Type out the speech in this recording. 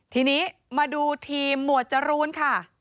ทีนี้มาดูทีมหมวดจรูนค่ะ